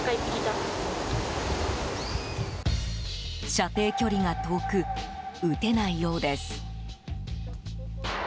射程距離が遠く撃てないようです。